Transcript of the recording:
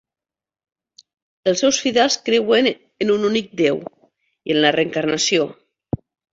Els seus fidels creuen en un únic Déu, i en la reencarnació.